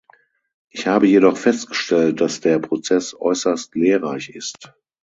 Ich habe jedoch festgestellt, dass der Prozess äußerst lehrreich ist.